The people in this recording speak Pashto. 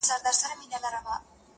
• انصاف نه دی ترافیک دي هم امام وي..